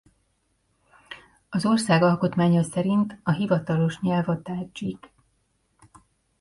Az ország alkotmánya szerint a hivatalos nyelv a tádzsik.